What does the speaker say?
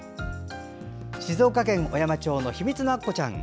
静岡県小山町のひみつのアッコちゃん。